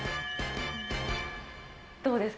どうですか？